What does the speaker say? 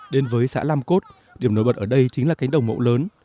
đến với xã lam cốt điểm nổi bật ở đây chính là cánh đồng mẫu lớn